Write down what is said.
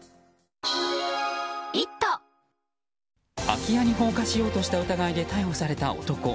空き家に放火しようとした疑いで逮捕された男。